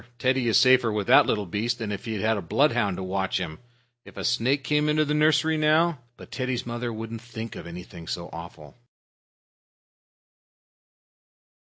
"Teddy's safer with that little beast than if he had a bloodhound to watch him. If a snake came into the nursery now " But Teddy's mother wouldn't think of anything so awful.